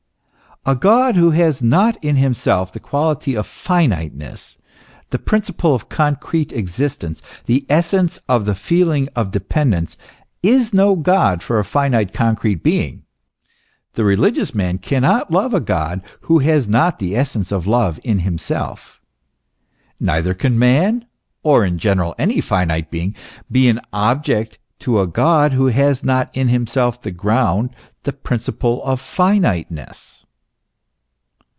A God, who has not in himself the quality of finiteness, the principle of concrete existence, the essence of the feeling of dependence, is no God for a finite, concrete being. The reli gious man cannot love a God who has not the essence of love in himself, neither can man, or, in general, any finite being be an object to a God who has not in himself the ground, the principle of finiteness.